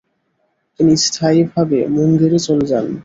তিনি স্থায়ীভাবে মুঙ্গেরে চলে যান।